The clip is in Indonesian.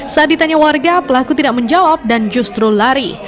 saat ditanya warga pelaku tidak menjawab dan justru lari